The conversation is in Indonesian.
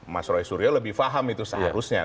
mas roy suryo lebih paham itu seharusnya